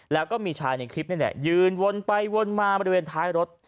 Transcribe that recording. แล้วก็มีชายในคลิปนี่แหละยืนวนไปวนมาบริเวณท้ายรถ